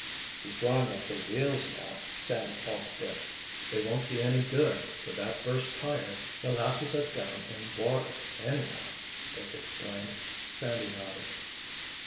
"He's drawing up the wheels, now," Sandy called to Dick. "They won't be any good, with that burst tire—he'll have to set down in water anyhow," Dick explained. Sandy nodded.